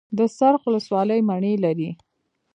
د څرخ ولسوالۍ مڼې لري